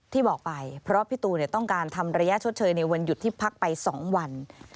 ที่บอกไปเพราะพี่ตูนต้องการทำระยะชดเชยในวันหยุดที่พักไป๒วัน